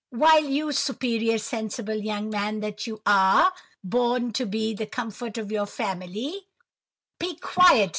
"—while you, superior, sensible young man that you are, born to be the comfort of your family—" "Be quiet!"